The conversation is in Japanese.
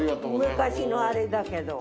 昔のあれだけど。